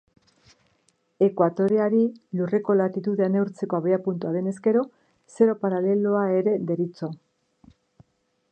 Ekuatoreari, lurreko latitudea neurtzeko abiapuntua denez gero, zero paraleloa ere deritzo.